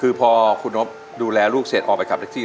คือพอคุณนบดูแลลูกเสร็จออกไปขับแท็กซี่